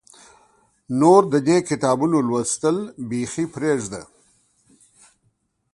نور د دې کتابونو لوستل بیخي پرېږده.